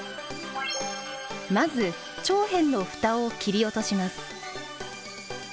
まず長辺のふたを切り落とします。